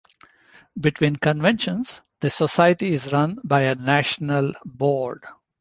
Between conventions the Society is run by a "National Board".